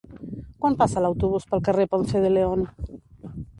Quan passa l'autobús pel carrer Ponce de León?